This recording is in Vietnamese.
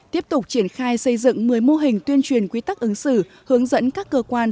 tiếp tục triển khai xây dựng một mươi mô hình tuyên truyền quy tắc ứng xử hướng dẫn các cơ quan